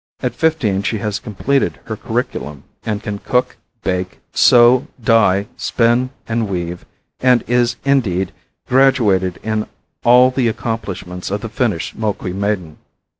At fifteen she has completed her curriculum and can cook, bake, sew, dye, spin and weave and is, indeed, graduated in all the accomplishments of the finished Moqui maiden.